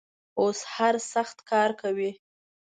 اوس هر سخت کار کوي.